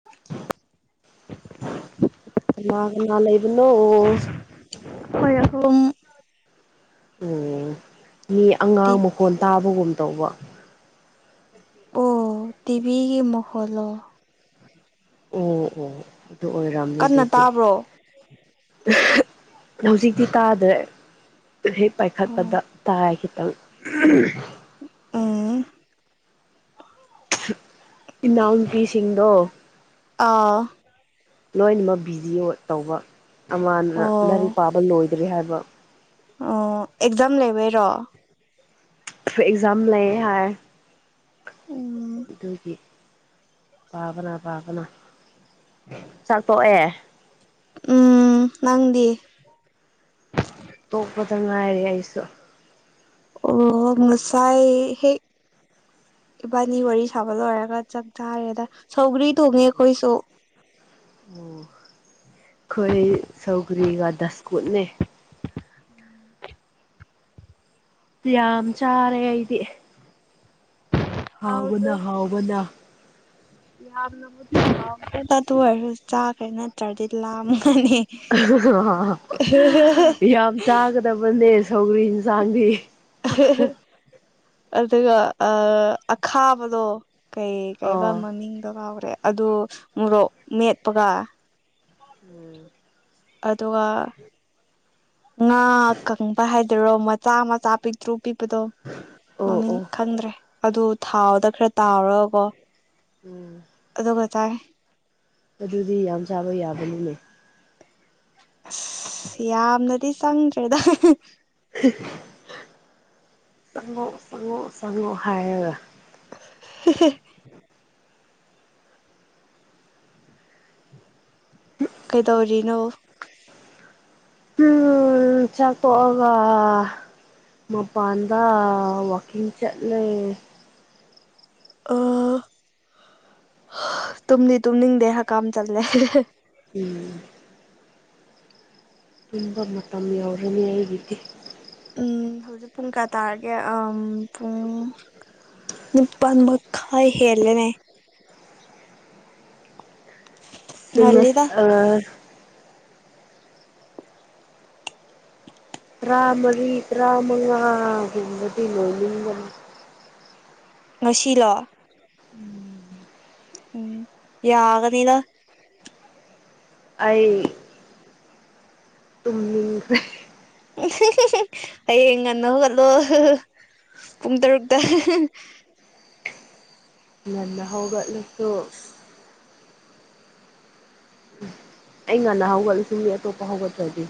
[unintelligible] ꯀꯅꯥ ꯀꯅꯥ ꯂꯩꯕꯅꯣ? ꯑꯈꯣꯏ ꯑꯍꯨꯝ ꯎꯝ ꯃꯤ ꯑꯉꯥꯡ ꯃꯈꯣꯟ ꯇꯥꯕꯒꯨꯝ ꯇꯧꯕ꯫ ꯑꯣ ꯇꯤꯚꯤꯒꯤ ꯃꯈꯣꯜꯂꯣ? ꯑꯣ ꯑꯣ ꯑꯗꯨ ꯑꯣꯏꯔꯝꯅꯤ ꯀꯟꯅ ꯑꯗꯨꯗꯤ꯫ ꯇꯥꯕ꯭ꯔꯣ ꯍꯧꯖꯤꯛꯇꯤ ꯇꯥꯗ꯭ꯔꯦ ꯍꯦꯛ ꯄꯥꯏꯈꯠꯄꯗ ꯑꯣ ꯇꯥꯏ ꯈꯤꯇꯪ꯫ ꯎꯝ ꯏꯅꯥꯎꯅꯨꯄꯤꯁꯤꯡꯗꯣ ꯑꯥꯎ ꯂꯣꯏꯅꯃꯛ ꯕꯤꯖꯤꯑ‌ꯣ ꯇꯧꯕ ꯑꯃꯅ ꯑꯣ ꯂꯥꯏꯔꯤꯛ ꯄꯥꯕ ꯂꯣꯏꯗ꯭ꯔꯤ ꯍꯥꯏꯕ꯫ ꯑꯣ ꯑꯦꯛꯖꯥꯝ ꯂꯩꯕꯩꯔꯣ ꯈ꯭ꯔ ꯑꯦꯛꯖꯥꯝ ꯂꯩ ꯍꯥꯏ ꯎꯝ ꯑꯗꯨꯒꯤ ꯄꯥꯕꯅ ꯄꯥꯕꯅ ꯆꯥꯛ ꯇꯣꯛꯑꯦ ꯎꯝ ꯅꯪꯗꯤ ꯇꯣꯛꯄꯗ ꯉꯥꯏꯔꯤ ꯑꯩꯁꯨ ꯑꯣ ꯉꯁꯥꯏ ꯍꯦꯛ ꯏꯕꯥꯅꯤ ꯋꯥꯔꯤ ꯁꯥꯕ ꯂꯣꯏꯔꯒ ꯆꯥꯛ ꯆꯥꯔꯦꯗ ꯁꯧꯒ꯭ꯔꯤ ꯊꯣꯡꯉꯦ ꯑꯈꯣꯏꯁꯨ ꯑꯣ ꯈ‌ꯣꯏ ꯁꯧꯒ꯭ꯔꯤꯒ ꯗꯁꯀꯨꯠꯅꯦ ꯌꯥꯝ ꯆꯥꯔꯦ ꯑꯩꯗꯤ ꯍꯥꯎꯕꯅ ꯍꯥꯎꯕꯅ ꯌꯥꯝꯅꯕꯨꯗꯤ ꯍꯥꯎꯈ꯭ꯔꯦꯗ ꯑꯗꯨ [unintelligible] ꯆꯥꯈ꯭ꯔ‌ꯦ ꯅꯠ ꯇ‍꯭ꯔꯗꯤ ꯂꯥꯝꯒꯅꯤ ꯇꯕꯅꯦ ꯁꯧꯒ꯭ꯔꯤꯖꯨ ꯆꯥꯟꯕꯤ ꯑꯗꯨꯒ ꯑꯥ ꯑꯈꯥꯕꯗꯣ ꯀꯩ ꯀꯩꯕ ꯑꯣ ꯃꯃꯤꯡꯗ‌ꯣ ꯀꯥꯎꯒ꯭ꯔꯦ ꯑꯗꯨ ꯃꯣꯔꯣꯛ ꯃꯦꯠꯄꯒ ꯎꯝ ꯑꯗꯨꯒ ꯉꯥ ꯀꯪꯕ ꯍꯥꯏꯗ‌ꯣꯏꯔꯣ ꯃꯆꯥ ꯃꯆꯥ ꯄꯤꯛ ꯇ꯭ꯔꯨ ꯄꯤꯛꯄꯗꯣ ꯑꯣ ꯃꯃꯤꯡ ꯑꯣ ꯈꯪꯗ꯭ꯔꯦ ꯑꯗꯨ ꯊꯥꯎꯗ ꯈꯔ ꯇꯥꯎꯔꯒꯀꯣ ꯎꯝ ꯑꯗꯨꯒ ꯆꯥꯏ ꯑꯗꯨꯗꯤ ꯌꯥꯝ ꯆꯥꯕ ꯌꯥꯕꯅꯤꯅꯦ ꯑꯁ ꯌꯥꯝꯅꯗꯤ ꯆꯪꯗ꯭ꯔꯦꯗ ꯆꯪꯉꯣ ꯆꯪꯉꯣ ꯆꯪꯉꯣ ꯍꯥꯏꯔꯒ [unintelligible] [unintelligible] [unintelligible] ꯀꯩꯗꯧꯔꯤꯅꯣ ꯍꯨꯝ ꯆꯥꯛ ꯇ‌ꯣꯛꯑꯒ ꯃꯥꯄꯥꯟꯗ ꯋꯥꯀꯤꯡ ꯆꯠꯂ‌ꯦ ꯑꯥ ꯇꯨꯝꯗꯤ ꯇꯨꯝꯅꯤꯡꯗꯦ ꯍꯀꯥꯝ ꯆꯜꯂꯦ ꯎꯝ ꯇꯨꯝꯕ ꯃꯇꯝ ꯌꯧꯔꯅꯤ ꯑꯩꯒꯤꯗꯤ ꯎꯝ ꯍꯧꯖꯤꯛ ꯄꯨꯡ ꯀꯌꯥ ꯇꯥꯔꯒꯦ ꯑꯝ ꯄꯨꯡ ꯅꯤꯄꯥꯟ ꯃꯈꯥꯏ ꯍꯦꯜꯂꯦꯅꯦ ꯐꯦꯃꯁ ꯉꯜꯂꯤꯗ ꯑ ꯇ꯭ꯔꯥꯃꯔꯤ ꯇ꯭ꯔꯥꯃꯉꯥ ꯒꯨꯝꯕꯗꯤ ꯂꯣꯏꯅꯤꯡꯕꯅꯤ ꯉꯁꯤꯂꯣ ꯎꯝ ꯎꯝ ꯌꯥꯒꯅꯤꯗ ꯑꯩ ꯇꯨꯝꯅꯤꯡꯈ꯭ꯔꯦ ꯍꯌꯦꯡ ꯉꯟꯅ ꯍꯧꯒꯠꯂꯣ ꯄꯨꯡ ꯇꯔꯨꯛꯇ ꯉꯟꯅ ꯍꯧꯒꯠꯂꯁꯨ ꯑꯩ ꯉꯟꯅ ꯍꯧꯒꯠꯂꯁꯨ ꯃꯤ ꯑꯇꯣꯞꯄ ꯍꯧꯒꯠꯇ꯭ꯔꯗꯤ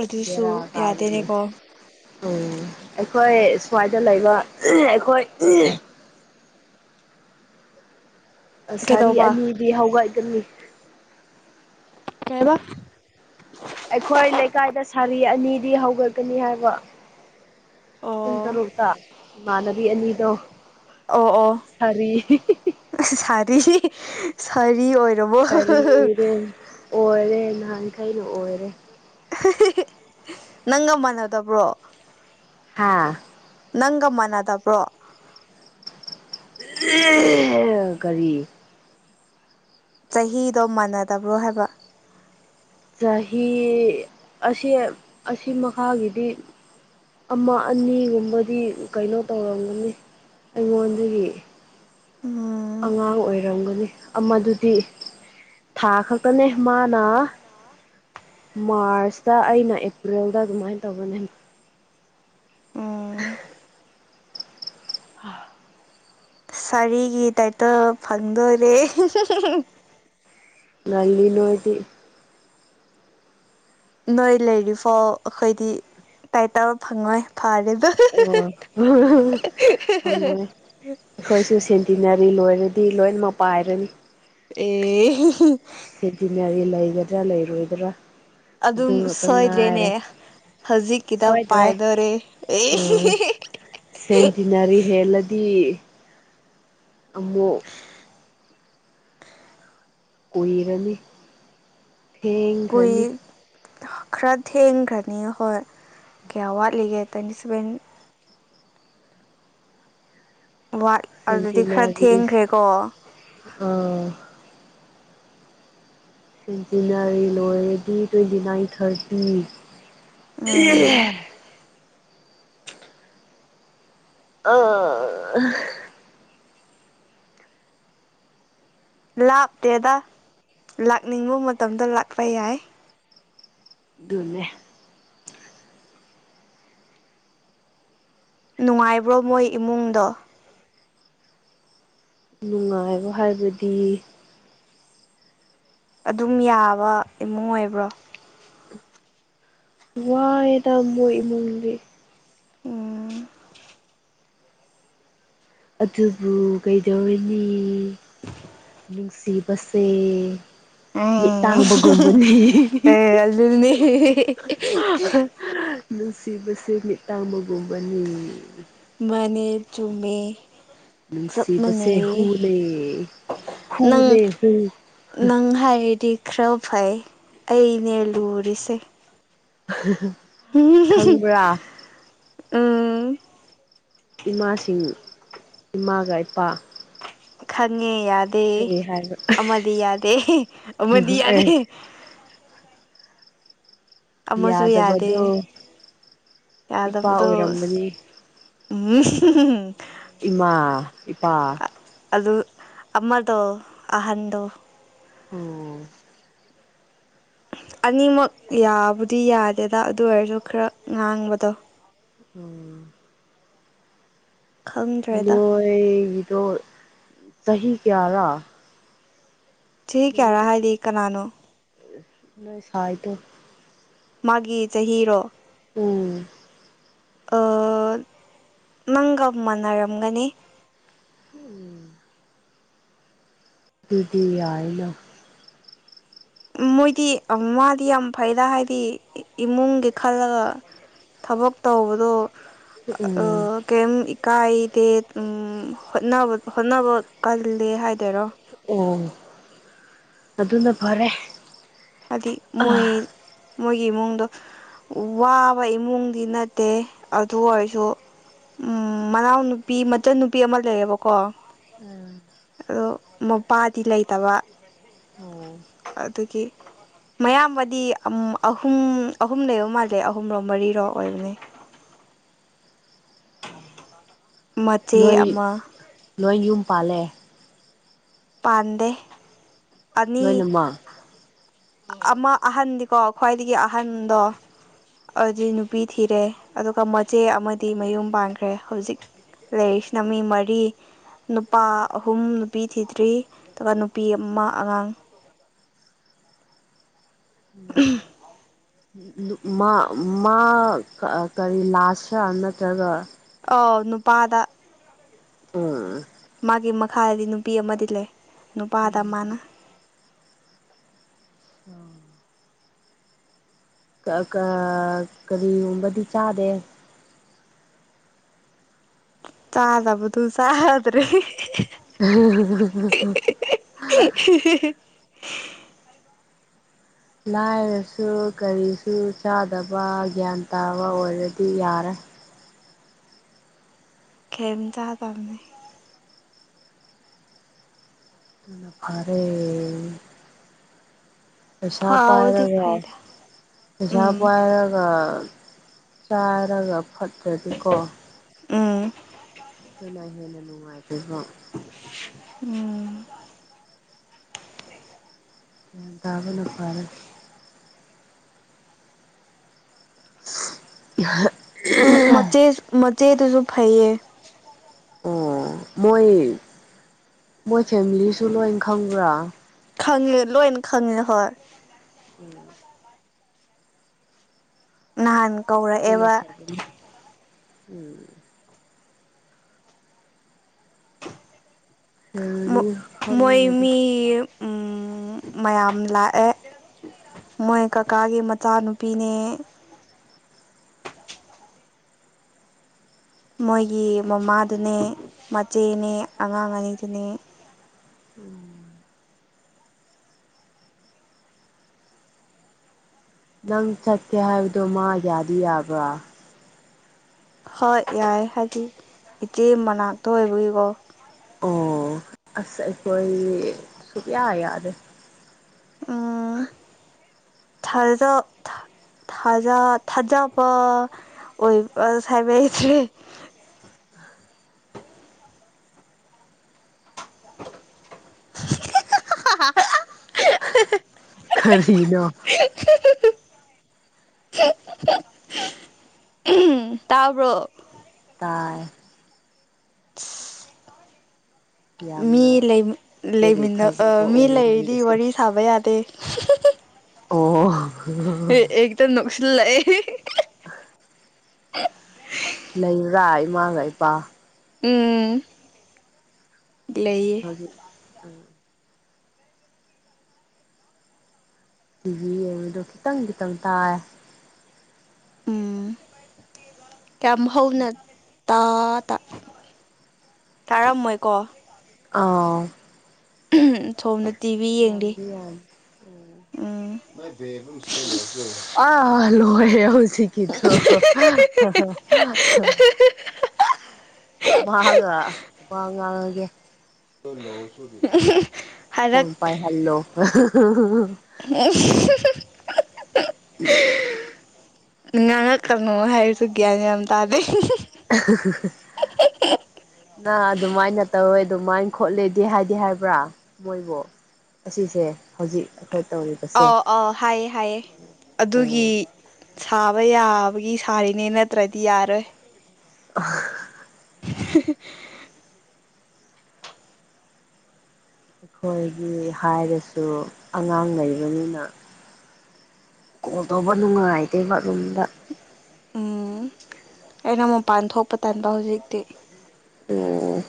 ꯑꯗꯨꯁꯨ ꯌꯥꯗꯦꯅꯦꯀꯣ ꯑ ꯑꯩꯈꯣꯏ ꯁ꯭ꯋꯥꯏꯗ ꯂꯩꯕ ꯑꯩꯈꯣꯏ ꯑꯁꯥꯔꯤ ꯀꯩꯗꯧꯕ ꯑꯅꯤꯗꯤ ꯍꯧꯒꯠꯀꯅꯤ ꯀꯩ ꯍꯥꯏꯕ ꯑꯩꯈꯣꯏ ꯂꯩꯀꯥꯏꯗ ꯁꯥꯔꯤ ꯑꯅꯤꯗꯤ ꯍꯧꯒꯠꯀꯅꯤ ꯍꯥꯏꯕ ꯄꯨꯡ ꯑꯣ ꯇꯔꯨꯛꯇ ꯏꯃꯥꯟꯅꯕꯤ ꯑꯅꯤꯗꯣ ꯑꯣ ꯑꯣ ꯁꯥꯔꯤ [unintelligible] ꯁꯥꯔꯤ ꯁꯥꯔꯤ ꯑꯣꯏꯔꯕꯣ ꯁꯥꯔꯤꯔꯦ ꯑꯣꯏꯔꯦ ꯅꯍꯥꯟꯈꯩꯅ ꯑꯣꯏꯔꯦ ꯅꯪꯒ ꯃꯥꯟꯅꯗꯕ꯭ꯔꯣ ꯍꯥꯥ ꯅꯪꯒ ꯃꯥꯟꯅꯗꯕ꯭ꯔꯣ ꯀꯔꯤ ꯆꯍꯤꯗꯣ ꯃꯥꯟꯅꯗꯕ꯭ꯔꯣ ꯍꯥꯏꯕ ꯆꯍꯤ ꯑꯁ‌ꯦꯞ ꯑꯁꯤ ꯃꯈꯥꯒꯤꯗꯤ ꯑꯃ ꯑꯅꯤꯒꯨꯝꯕꯗꯤ ꯀꯩꯅꯣ ꯇꯧꯔꯝꯒꯅꯤ ꯑꯩꯉꯣꯟꯗꯒꯤ ꯎꯝ ꯑꯉꯥꯡ ꯑꯣꯏꯔꯝꯒꯅꯤ ꯑꯃꯗꯨꯗꯤ ꯊꯥ ꯈꯛꯇꯅꯦ ꯃꯥꯅ ꯃꯥꯔꯁꯇ ꯑꯩꯅ ꯑꯦꯄ꯭ꯔꯤꯜꯗ ꯑꯗꯨꯃꯥꯏꯟ ꯇꯧꯕꯅꯦ ꯎꯝ [unintelligible] ꯍꯥ ꯁꯥꯔꯤꯒꯤ ꯇꯥꯏꯇꯜ ꯐꯪꯗꯣꯏꯔꯦ ꯉꯜꯂꯤ ꯅꯣꯏꯗꯤ ꯅꯣꯏ ꯂꯩꯔꯤꯐꯥꯎ ꯑꯩꯈꯣꯏꯗꯤ ꯇꯥꯏꯇꯜ ꯐꯪꯉꯣꯏ ꯐꯔꯦꯗ ꯑ‌ꯣ ꯐꯪꯉꯣꯏ ꯑꯩꯈꯣꯏꯁꯨ ꯁꯦꯟꯇꯤꯅꯔꯤ ꯂꯣꯏꯔꯗꯤ ꯂꯣꯏꯅꯃꯛ ꯄꯥꯏꯔꯅꯤ ꯑꯦ ꯁ‌ꯦꯟꯇꯤꯅꯔꯤ ꯂꯩꯒꯗ꯭ꯔꯥ ꯂꯩꯔꯣꯏꯗ꯭ꯔꯥ ꯑꯗꯨ ꯑꯗꯨꯝ ꯉꯥꯛꯇ ꯁꯣꯏꯗ꯭ꯔꯦꯅꯦ ꯉꯥꯏꯔꯦ ꯍꯧꯖꯤꯛꯀꯤꯗ ꯁꯣꯏꯗ꯭ꯔꯦ ꯄꯥꯏꯗꯣꯔꯦ ꯑ ꯑꯦ ꯁꯦꯟꯇꯤꯅꯔꯤ ꯍꯦꯜꯂ ꯇꯤ ꯑꯃꯨꯛ ꯀꯨꯏꯔꯅꯤ ꯀꯨꯏ ꯊꯦꯡꯈ꯭ꯔꯅꯤ ꯈꯔ ꯊꯦꯡꯈ꯭ꯔꯅꯤ ꯍꯣꯏ ꯀꯌꯥ ꯋꯥꯠꯂꯤꯒꯦ ꯇ꯭ꯋꯦꯟꯇꯤ ꯁꯚꯦꯟ ꯋꯥꯠ ꯑꯗꯨꯗꯤ ꯈꯔ ꯊꯦꯡꯈ꯭ꯔꯦꯀꯣ ꯎꯝ ꯁ‌ꯦꯟꯇꯤꯅꯔꯤ ꯂꯣꯏꯔꯗꯤ ꯇ꯭ꯋꯦꯟꯇꯤ ꯅꯥꯏꯟ ꯊꯥꯔꯇꯤ ꯎꯝ ꯑ ꯂꯥꯞꯇꯦꯗ ꯂꯥꯛꯅꯤꯡꯕ ꯃꯇꯝꯗ ꯂꯥꯛꯄ ꯌꯥꯏ ꯗꯨꯅꯦ ꯅꯨꯡꯉꯥꯏꯕ꯭ꯔꯣ ꯃꯣꯏ ꯏꯃꯨꯡꯗꯣ ꯅꯨꯡꯉꯥꯏꯕ ꯍꯥꯏꯕꯗꯤ ꯑꯗꯨꯝ ꯌꯥꯕ ꯏꯃꯨꯡ ꯑꯣꯏꯕ꯭ꯔꯣ ꯋꯥꯏꯗ ꯃꯣꯏ ꯏꯃꯨꯡꯗꯤ ꯎꯝ ꯑꯗꯨꯕꯨ ꯀꯩꯗꯧꯔꯅꯤ ꯅꯨꯡꯁꯤꯕꯁꯦ ꯃꯤꯠꯇꯥꯡꯕꯒꯨꯝꯕꯅꯤ ꯑꯦ ꯑꯗꯨꯅꯦ ꯅꯨꯡꯁꯤꯕꯁꯦ ꯃꯤꯠꯇꯥꯡꯕꯒꯨꯝꯕꯅꯤ ꯃꯥꯅꯦ ꯆꯨꯝꯃꯦ ꯆꯞ ꯅꯨꯡꯁꯤꯕꯁꯦ ꯃꯥꯟꯅꯩꯌꯦ ꯍꯨꯅꯦ ꯅꯪ ꯍꯨꯅꯦ ꯍꯨ꯫ ꯅꯪ ꯍꯥꯏꯔꯗꯤ ꯈꯔ ꯐꯩ ꯑꯩꯅꯦ ꯂꯨꯔꯤꯁꯦ꯫ [unintelligible] [unintelligible] ꯈꯪꯕ꯭ꯔꯥ ꯎꯝ ꯏꯃꯥꯁꯤꯡ ꯏꯃꯥꯒ ꯏꯄꯥ ꯈꯪꯉꯦ ꯌꯥꯗꯦ ꯀꯔꯤ ꯍꯥꯏꯕ ꯑꯃꯗꯤ ꯌꯥꯗꯦ ꯑꯃꯗꯤ ꯑꯦ ꯌꯥꯗꯦ ꯑꯃꯁꯨ ꯌꯥꯗꯦ ꯌꯥꯗꯕꯗꯣ ꯏꯄꯥ ꯌꯥꯗꯕꯗꯣ ꯑꯁ ꯑꯣꯏꯔꯝꯒꯅꯤ ꯎꯝ [unintelligible] ꯏꯃꯥ ꯏꯄꯥ ꯑꯗꯨ ꯑꯃꯗꯣ ꯑꯍꯟꯗꯣ ꯑꯣ ꯑꯅꯤꯃꯛ ꯌꯥꯕꯨꯗꯤ ꯌꯥꯗꯦꯗ ꯑꯗꯨ ꯑꯣꯏꯔꯁꯨ ꯈꯔ ꯉꯥꯡꯕꯗꯣ꯫ ꯎꯝ ꯈꯪꯗ꯭ꯔꯦꯗ ꯅꯣꯏꯒꯤꯗꯣ ꯆꯍꯤ ꯀꯌꯥꯔꯥ ꯆꯍꯤ ꯀꯌꯥꯔꯥ ꯅꯣꯏ ꯍꯥꯏꯗꯤ ꯀꯅꯥꯅꯣ ꯅꯣꯏ ꯁꯥꯏꯗꯣ ꯃꯥꯒꯤ ꯆꯍꯤꯔꯣ ꯎꯝ ꯑ ꯅꯪꯒ ꯃꯥꯟꯅꯔꯝꯒꯅꯤ꯫ ꯎꯝ ꯑꯗꯨꯗꯤ ꯌꯥꯏꯅ ꯃꯣꯏꯗꯤ ꯑ ꯃꯥꯗꯤ ꯌꯥꯝ ꯐꯩꯗ ꯍꯥꯏꯗꯤ ꯏꯃꯨꯡꯒꯤ ꯈꯜꯂꯒ ꯊꯕꯛ ꯇꯧꯕꯗꯣ꯫ ꯍꯨꯛꯎꯝ ꯀꯩꯝ ꯏꯀꯥꯏꯗꯦ ꯎꯝ ꯍꯣꯠꯅꯕ ꯍꯣꯠꯅꯕ ꯀꯜꯂꯦ ꯍꯥꯏꯗꯣꯏꯔꯣ ꯑꯣ ꯑꯗꯨꯅ ꯐꯔꯦ꯫ ꯍꯥꯏꯗꯤ ꯃꯣꯏ ꯎꯝ ꯃꯣꯏꯒꯤ ꯏꯃꯨꯡꯗꯣ ꯋꯥꯕ ꯏꯃꯨꯡꯗꯤ ꯅꯠꯇꯦ ꯑꯗꯨ ꯑꯣꯏꯔꯁꯨ ꯎꯝ ꯃꯅꯥꯎ ꯅꯨꯨꯄꯤ ꯃꯆꯟ ꯅꯨꯄꯤ ꯑꯃ ꯂꯩꯌꯦꯕꯀꯣ꯫ ꯎꯝ ꯑꯗꯣ ꯃꯄꯥꯗꯤ ꯂꯩꯇꯕ ꯑꯣ ꯑꯗꯨꯒꯤ ꯃꯌꯥꯝꯕꯗꯤ ꯑꯝ ꯑꯍꯨꯝ ꯑꯍꯨꯝ ꯂꯩꯕ ꯃꯥꯜꯂꯦ ꯑꯍꯨꯝꯔꯣ ꯃꯔꯤꯔꯣ ꯑꯣꯏꯕꯅꯦ꯫ ꯃꯆꯦ ꯂꯣꯏꯔꯤꯡ ꯑꯃ ꯂꯣꯏ ꯌꯨꯝ ꯄꯥꯜꯂꯦ꯫ ꯄꯥꯟꯗꯦ ꯑꯅꯤ ꯂꯣꯏꯅꯃꯛ ꯑꯃ ꯑꯍꯟꯗꯤꯀꯣ ꯈ꯭ꯋꯥꯏꯗꯒꯤ ꯑꯍꯟꯗꯣ ꯑꯧꯖꯤꯛ ꯅꯨꯄꯤ ꯊꯤꯔꯦ ꯑꯗꯨꯒ ꯃꯆꯦ ꯑꯃꯗꯤ ꯃꯌꯨꯝ ꯄꯥꯟꯈ꯭ꯔꯦ ꯍꯧꯖꯤꯛ ꯂꯩꯔꯤꯁꯤꯅ ꯃꯤ ꯃꯔꯤ ꯅꯨꯄꯥ ꯑꯍꯨꯝ ꯅꯨꯄꯤ ꯊꯤꯗ꯭ꯔꯤ꯫ ꯇ꯭ꯔꯤ ꯑꯗꯨꯒ ꯅꯨꯄꯤ ꯑꯃ ꯑꯉꯥꯡ [unintelligible] ꯃꯥ ꯃꯥ ꯀ ꯔꯤ ꯂꯥꯁꯔ ꯅꯠꯇ꯭ꯔꯒ ꯑꯧ ꯅꯨꯄꯥꯗ [unintelligible] ꯃꯥꯒꯤ ꯃꯈꯥꯗꯗꯤ ꯅꯨꯄꯤ ꯑꯃꯗꯤ ꯂꯩ ꯅꯨꯄꯥꯗ ꯃꯥꯅ ꯎꯝ ꯀꯥ ꯀꯥ ꯀꯔꯤꯒꯨꯝꯕꯗꯤ ꯆꯥꯗꯦ ꯆꯔꯗꯕꯗꯣ ꯆꯗ꯭ꯔꯔꯤ [unintelligible] [unintelligible] ꯂꯥꯏꯔꯁꯨ ꯀꯔꯤꯁꯨ ꯆꯥꯗꯕ ꯒ꯭ꯌꯥꯟ ꯇꯥꯕ ꯑꯣꯏꯔꯗꯤ ꯌꯥꯔꯦ ꯀꯩꯝ ꯆꯗꯔꯕꯅꯦ ꯑꯗꯨꯅ ꯐꯔꯦ ꯄꯩꯁꯥ ꯐꯥꯎꯗꯤ ꯄꯥꯏꯔꯒ ꯐꯩꯗ ꯄꯩꯁꯥ ꯎꯝ ꯄꯥꯏꯔꯒ ꯆꯥꯔꯒ ꯐꯠꯇꯔꯗꯤꯀꯣ ꯎꯝ ꯁꯨꯃꯥꯏ ꯍꯟꯅ ꯅꯨꯡꯉꯥꯏ ꯇꯔꯕꯣ ꯎꯝ ꯅꯣꯡ ꯇꯥꯕꯅ ꯐꯥꯔ [unintelligible] ꯃꯆꯦ ꯃꯆꯦꯗꯨꯁꯨ ꯐꯩꯌꯦ ꯑꯣ ꯃꯣꯏ ꯃꯣꯏ ꯐꯦꯃꯤꯂꯤꯁꯨ ꯂꯣꯏ ꯈꯪꯕ꯭ꯔꯥ ꯈꯪꯉꯦ ꯂꯣꯏꯅ ꯈꯪꯉꯦ ꯍꯣꯢ ꯎꯝ ꯅꯍꯥꯟ ꯑꯗꯨꯅ ꯀꯧꯔꯛꯑꯦꯕ ꯐꯥꯒꯅꯤ ꯎꯝ ꯃꯣ ꯐꯦꯃꯤꯂꯤ ꯃꯣꯏ ꯈꯪꯕꯅꯗꯤ ꯃꯤ ꯐꯕꯅꯤ ꯃꯌꯥꯝ ꯂꯥꯛꯑꯦ ꯃꯣꯏ ꯀꯀꯥꯒꯤ ꯃꯆꯥꯅꯨꯄꯤꯅꯦ ꯃꯣꯏꯒꯤ ꯃꯃꯥꯗꯨꯅꯦ ꯃꯆꯦꯅꯦ ꯑꯉꯥꯡ ꯑꯅꯤꯗꯨꯅꯦ ꯎꯝ ꯅꯪ ꯆꯠꯀꯦ ꯍꯥꯏꯕꯗꯣ ꯃꯥ ꯌꯥꯗꯤ ꯌꯥꯕ꯭ꯔꯥ ꯍꯣꯏ ꯌꯥꯏꯦ ꯍꯥꯏꯗꯤ ꯏꯆꯦ ꯃꯅꯥꯛꯇ ꯑꯣꯏꯕꯒꯤꯀꯣ ꯑꯣ ꯑꯁ ꯑꯩꯈꯣꯏ ꯁꯛꯨꯌꯥ ꯌꯥꯗꯔꯦ ꯎꯝ ꯊꯥꯖꯤꯗꯣ ꯊꯥꯖ ꯊꯥꯖꯕ ꯑꯣꯏꯕ [unintelligible] [unintelligible] ꯈꯔꯤꯅꯣ [unintelligible] ꯑꯝ ꯇꯥꯕ꯭ꯔꯣ ꯇꯥꯏ [unintelligible] ꯃꯤ ꯌꯥꯝꯅ ꯂꯩꯃꯤ ꯕꯦꯔꯤ ꯂꯩꯃꯤꯟꯅ ꯑꯥ ꯊꯥꯖꯕ ꯃꯤ ꯑꯣꯏꯔꯦ ꯂꯩꯔꯗꯤ ꯅꯪꯒꯤꯁꯦ ꯋꯥꯔꯤ ꯁꯥꯕ ꯌꯥꯗꯦ ꯑꯣ ꯑꯦ ꯑꯦꯇ ꯅꯣꯛꯁꯤꯜ ꯂꯛꯑ [unintelligible] ꯂꯩꯔꯥ ꯏꯃꯥꯒ ꯏꯄꯥ ꯎꯝ ꯂꯩꯌꯦ [unintelligible] [unintelligible] ꯈꯤꯇꯪ ꯈꯤꯇꯪ ꯇꯥꯏꯌꯦ ꯎꯝ ꯀꯌꯥ ꯍꯥꯎꯅ ꯇꯥ ꯇꯥ ꯇꯥꯔꯝꯃꯣꯏꯀꯣ ꯑꯥꯎ ꯊꯣꯝꯅ ꯌꯥꯝꯗꯤ ꯌꯥꯝ ꯎꯝ [unintelligible] ꯑꯥ ꯂꯣꯏꯔꯦ ꯍꯧꯖꯤꯛ ꯀꯤꯊꯣ ꯃꯥꯒ ꯋꯥ ꯉꯥꯡꯉꯒꯦ [unintelligible] ꯐꯣꯟ ꯄꯥꯏ ꯍꯜꯂꯣ [unintelligible] ꯉꯥꯡꯉꯛꯀꯅꯣ ꯍꯥꯏꯔꯁꯨ ꯒ꯭ꯌꯥꯟ ꯌꯥꯝ ꯇꯥꯗꯦ [unintelligible] ꯅꯥ ꯑꯗꯨꯃꯥꯏꯅ ꯇꯧꯋꯦ ꯑꯗꯨꯃꯥꯏꯅ ꯈꯣꯠꯂꯦꯗꯤ ꯍꯥꯏꯗꯤ ꯍꯥꯏꯕ꯭ꯔꯥ ꯃꯣꯏꯕꯨ ꯑꯁꯤꯁꯦ ꯍꯧꯖꯤꯛ ꯑꯩꯈꯣꯏ ꯇꯧꯔꯤꯕꯁꯦ ꯑꯥꯎ ꯑꯥꯎ ꯍꯥꯏꯌꯦ ꯍꯥꯏꯌꯦ ꯑꯗꯨꯒꯤ ꯎꯝ ꯁꯥꯕ ꯌꯥꯕꯒꯤ ꯁꯥꯔꯤꯅꯦ ꯅꯠꯇ꯭ꯔꯗꯤ ꯌꯥꯔꯣꯏ [unintelligible] ꯑꯩꯈꯣꯏꯒꯤ ꯍꯥꯏꯔꯁꯨ ꯑꯉꯥꯡ ꯂꯩꯕꯅꯤꯅ ꯀꯣꯜ ꯇꯧꯕ ꯅꯨꯡꯉꯥꯏꯇꯦꯕ ꯔꯨꯝꯗꯥ ꯎꯝ ꯑꯩꯅ ꯃꯄꯥꯟ ꯊꯣꯛꯄ ꯇꯥꯟꯕ ꯍꯧꯖꯤꯛꯇꯤ ꯑꯣ